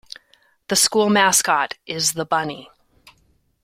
The school mascot is the Bunny.